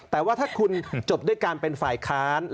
แต่ว่าถ้าคุณจบด้วยการเป็นฝ่ายค้าน